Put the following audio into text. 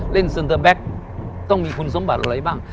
เซ็นเตอร์แบ็คต้องมีคุณสมบัติอะไรบ้าง